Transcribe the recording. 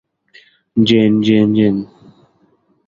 Gen, Jen, gen.